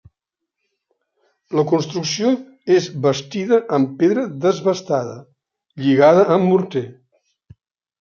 La construcció és bastida amb pedra desbastada, lligada amb morter.